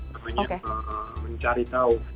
namanya mencari tahu